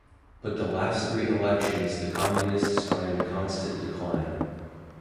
But the last three elections the Communists are in constant decline.